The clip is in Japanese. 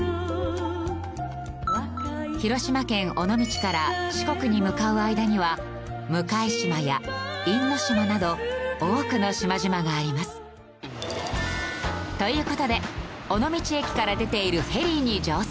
広島県尾道から四国に向かう間には向島や因島など多くの島々があります。という事で尾道駅から出ているフェリーに乗船。